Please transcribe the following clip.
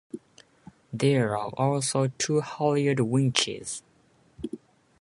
There are also two halyard winches.